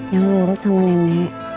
jangan ngurut sama nenek